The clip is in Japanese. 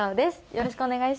よろしくお願いします！